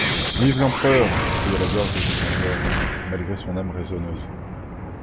«Vive l'Empereur !» cria la gorge du major, malgré son âme raisonneuse.